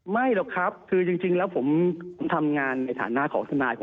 ไม่หรอกครับคือจริงแล้วผมทำงานในฐานะของทนาย